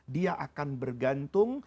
dia akan bergantung